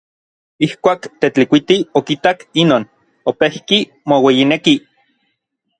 Ijkuak Tetlikuiti okitak inon, opejki moueyineki.